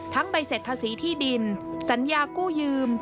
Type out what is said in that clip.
ทั้งใบเศรษฐศีร์ที่ดินสัญญากู้ยืม